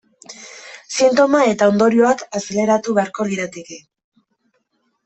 Sintoma eta ondorioak azaleratu beharko lirateke.